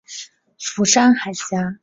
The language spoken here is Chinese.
釜山海峡。